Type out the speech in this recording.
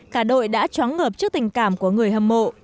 cả đội đã chóng ngợp trước tình cảm của người hâm mộ